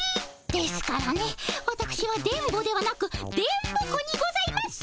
ですからねわたくしは電ボではなく電ボ子にございます。